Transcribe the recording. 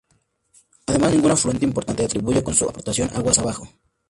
Además, ningún afluente importante contribuye con su aportación aguas abajo.